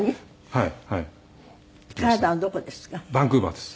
はい。